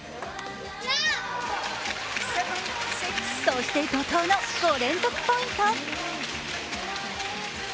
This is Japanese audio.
そして、怒とうの５連続ポイント。